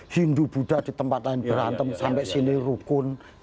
hindu buddha di tempat lain berantem sampai sini rukun